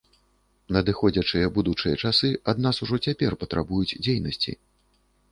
Надыходзячыя будучыя часы ад нас ужо цяпер патрабуюць дзейнасці.